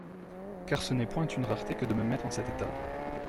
Car ce n'est point une rareté que de me mettre en cet état.